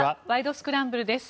スクランブル」です。